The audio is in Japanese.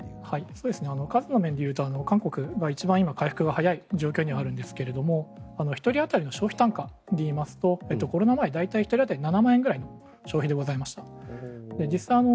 数の面で言うと韓国が一番今回復が早い状況にあるんですが１人当たりの消費単価でいいますとコロナ前、大体１人当たり７万円ぐらいの消費でした。